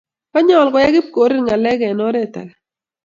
Konyol koyai Kipkorir ng'alek eng' oret age.